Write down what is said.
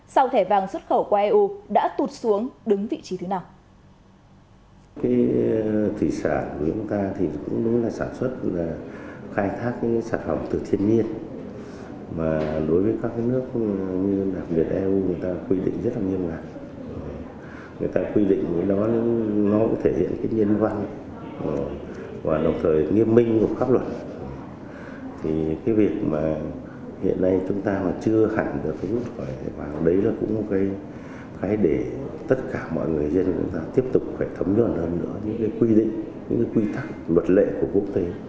sau thẻ vàng xuất khẩu của eu đã tụt xuống đứng vị trí thứ nào